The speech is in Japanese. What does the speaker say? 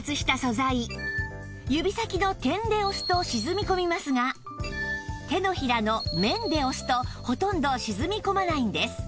指先の点で押すと沈み込みますが手のひらの面で押すとほとんど沈み込まないんです